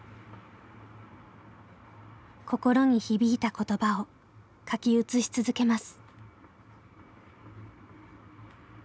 心に響いた言葉を書き写し続けます。